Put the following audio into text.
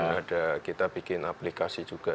ada kita bikin aplikasi juga